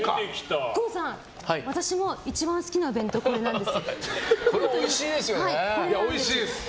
郷さん、私も一番好きな弁当これなんですよ。